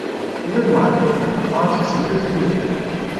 Prin urmare, nu am susținut rezoluția.